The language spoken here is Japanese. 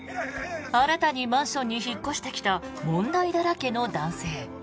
新たにマンションに越してきた問題だらけの男性。